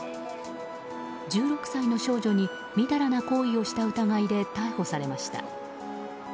１６歳の少女にみだらな行為をした疑いで逮捕されました。